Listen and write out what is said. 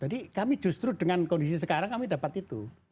jadi kami justru dengan kondisi sekarang kami dapat itu